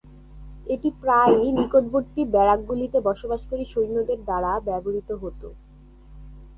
এটি প্রায়ই নিকটবর্তী ব্যারাকগুলিতে বসবাসকারী সৈন্যদের দ্বারা ব্যবহৃত হত।